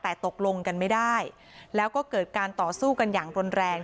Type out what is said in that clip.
แต่ตกลงกันไม่ได้แล้วก็เกิดการต่อสู้กันอย่างรุนแรง